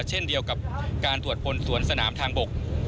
เช่นเดียวกับการตรวจพลสวนสนามทางบก